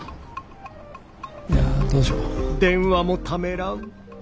いやどうしよう。